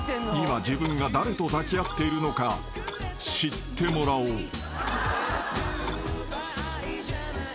［今自分が誰と抱き合っているのか知ってもらおう］